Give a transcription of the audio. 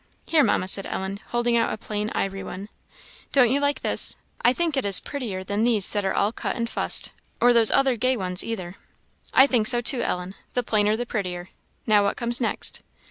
"Here, Mamma," said Ellen, holding out a plain ivory one, "don't you like this? I think it is prettier than these that are all cut and fussed, or those other gay ones either." "I think so too, Ellen; the plainer the prettier. Now, what comes next?"